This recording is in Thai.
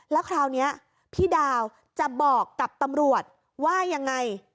แล้วคราวนี้พี่ดาวจะบอกกับตำรวจว่ายังไง